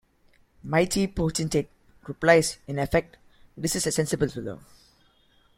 Mighty potentate replies, in effect: 'This is a sensible fellow.'